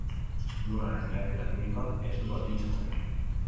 Lurraren eraketa kimikoak ez du baldintzatzen.